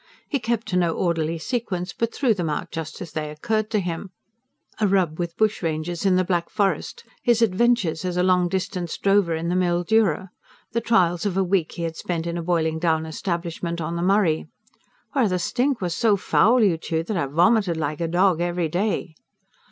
He kept to no orderly sequence, but threw them out just as they occurred to him: a rub with bushrangers in the Black Forest, his adventures as a long distance drover in the Mildura, the trials of a week he had spent in a boiling down establishment on the Murray: "Where the stink wa so foul, you two, that I vomited like a dog every day!"